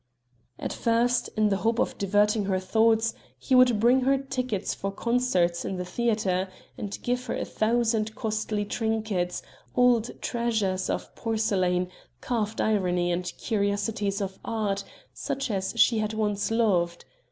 At first, in the hope of diverting her thoughts, he would bring her tickets for concerts or the theatre, and give her a thousand costly trinkets, old treasures of porcelain, carved ivory, and curiosities of art, such as she had once loved.